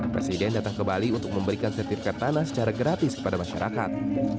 presiden datang ke bali untuk memberikan sertifikat tanah secara gratis kepada masyarakat